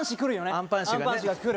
アンパン氏が来る